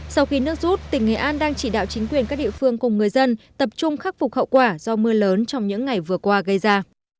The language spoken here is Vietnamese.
sau khi nước rút tỉnh nghệ an đang chỉ đạo chính quyền các địa phương cùng người dân tập trung khắc phục hậu quả do mưa lớn trong những ngày vừa qua gây ra